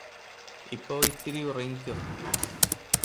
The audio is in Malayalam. ഇപ്പൊ ഇത്തിരി ഉറങ്ങിക്കോ